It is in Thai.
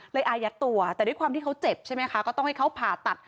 อายัดตัวแต่ด้วยความที่เขาเจ็บใช่ไหมคะก็ต้องให้เขาผ่าตัด